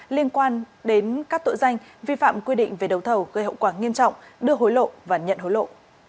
liên quan đến các tội danh vi phạm quy định về đầu thầu gây hậu quả nghiêm trọng đưa hối lộ và nhận hối lộ